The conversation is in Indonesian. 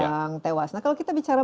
yang tewas nah kalau kita bicara